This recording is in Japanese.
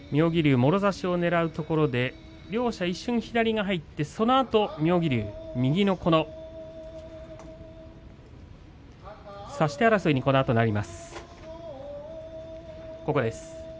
もろ差しをねらうところで両者、一瞬左が入ってそのあと妙義龍差し手争いになります。